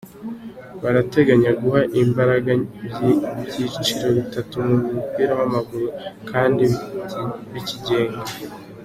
Barateganya guha imbaraga ibyiciro bitatu mu mupira w’amaguru kandi bikigenga